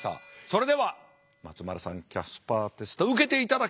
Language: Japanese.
それでは松丸さんキャスパーテスト受けていただきます。